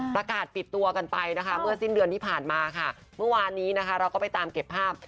ประกาศปิดตัวกันไปนะคะเมื่อสิ้นเดือนที่ผ่านมาค่ะเมื่อวานนี้นะคะเราก็ไปตามเก็บภาพ